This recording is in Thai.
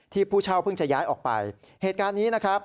ผู้เช่าเพิ่งจะย้ายออกไปเหตุการณ์นี้นะครับ